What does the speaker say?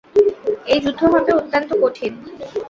এই যুদ্ধ হবে অত্যন্ত কঠিন।